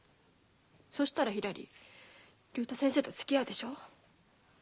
そしたらひらり竜太先生とつきあうでしょ？